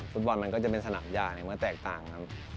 มันก็จะเป็นสนามยาในเมื่อแตกต่างครับ